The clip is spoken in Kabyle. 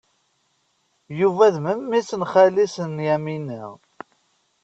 Yuba d memmi-s n xali-s n Yamina.